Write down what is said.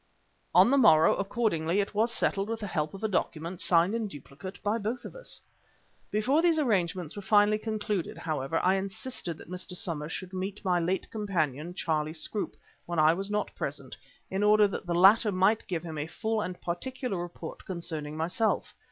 On the morrow accordingly, it was settled with the help of a document, signed in duplicate by both of us. Before these arrangements were finally concluded, however, I insisted that Mr. Somers should meet my late companion, Charlie Scroope, when I was not present, in order that the latter might give him a full and particular report concerning myself.